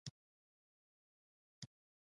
آیا دوی په ژمني المپیک کې تکړه نه دي؟